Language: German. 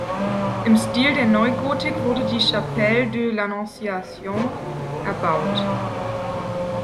Im Stil der Neugotik wurde die Chapelle de l’Annonciation erbaut.